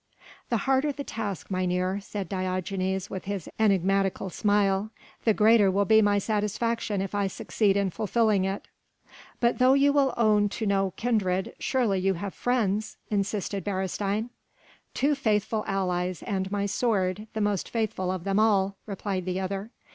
"The harder the task, mynheer," said Diogenes with his enigmatical smile, "the greater will be my satisfaction if I succeed in fulfilling it." "But though you will own to no kindred, surely you have friends?" insisted Beresteyn. "Two faithful allies, and my sword, the most faithful of them all," replied the other.